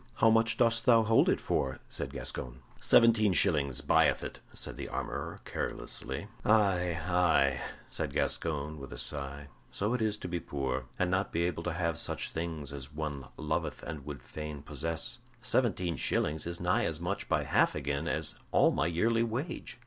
"How much dost thou hold it for?" said Gascoyne. "Seventeen shillings buyeth it," said the armorer, carelessly. "Aye, aye," said Gascoyne, with a sigh; "so it is to be poor, and not be able to have such things as one loveth and would fain possess. Seventeen shillings is nigh as much by half again as all my yearly wage."